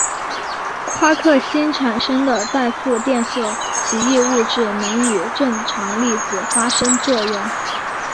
夸克星产生的带负电荷奇异物质能与正常粒子发生作用。